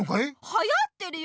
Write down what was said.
はやってるよ。